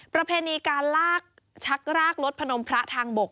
ประเพณีการลากชักรากรถพนมพระทางบก